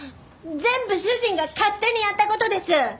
全部主人が勝手にやった事です！